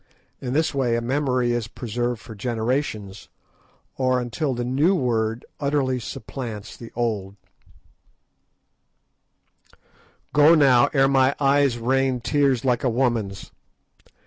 In this way a memory is preserved for generations, or until the new word utterly supplants the old one.—A.Q. "Go now, ere my eyes rain tears like a woman's.